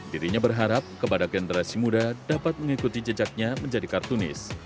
dirinya berharap kepada generasi muda dapat mengikuti jejaknya menjadi kartunis